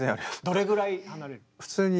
どれぐらい離れる？